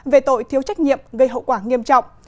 về tội thiếu trách nhiệm gây hậu quả nghiêm trọng